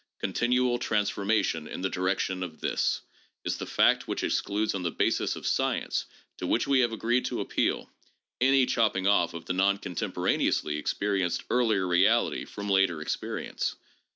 Continual transfor mation in the direction of this is the fact which excludes on the basis of science (to which we have agreed to appeal) any chopping off of the non contemporaneously experienced earlier reality from later experience.